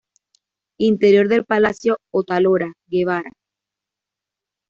Interior del Palacio Otálora Guevara.